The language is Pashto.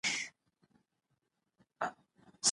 تاسو باید محیط د ځان لپاره وکاروئ.